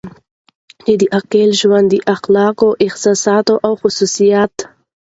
چې د عقلې ژوند د اخلاقو احساسات او خصوصیات